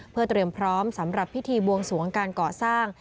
เพื่อเตรียมพร้อมสำหรับพิธีบวงสวงการก่อสร้าง